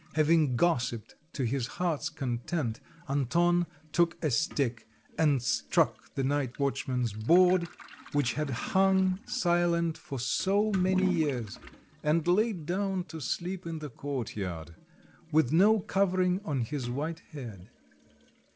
Having gossiped to his heart's content, Anton took a stick and struck the night watchman's board, which had hung silent for so many years, and laid down to sleep in the courtyard with no covering on his white head.